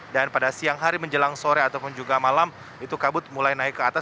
dan pada siang hari menjelang sore ataupun juga malam itu kabut mulai naik ke atas